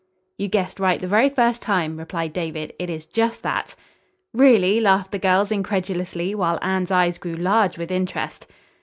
"You guessed right the very first time," replied David. "It is just that." "Really?" laughed the girls, incredulously, while Anne's eyes grew large with interest.